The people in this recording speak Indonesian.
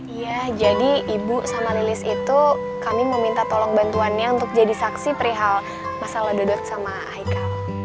iya jadi ibu sama lilis itu kami meminta tolong bantuannya untuk jadi saksi perihal masalah dodot sama aikal